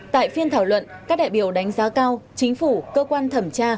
tại phiên thảo luận các đại biểu đánh giá cao chính phủ cơ quan thẩm tra